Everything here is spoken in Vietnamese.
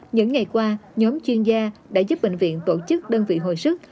những ngày qua nhóm chuyên gia đã giúp bệnh viện tổ chức đơn vị hồi sức